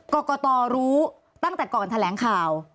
กรกตรู้ตั้งแต่ก่อนแถลงข่าว